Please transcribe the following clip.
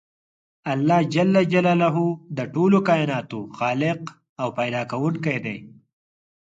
الله ج د ټولو کایناتو خالق او پیدا کوونکی دی .